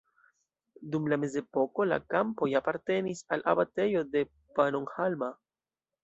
Dum la mezepoko la kampoj apartenis al abatejo de Pannonhalma.